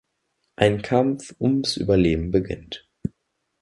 Ein Kampf ums Überleben beginnt.